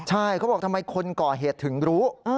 ใช่เขาบอกทำไมคนก่อเหตุถึงรู้